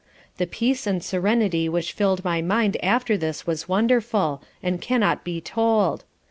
The peace and serenity which filled my mind after this was wonderful, and cannot be told.